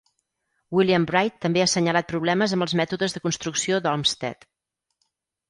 William Bright també ha assenyalat problemes amb els mètodes de construcció d'Olmsted.